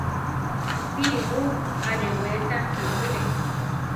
¡Píri mu arewesa simire!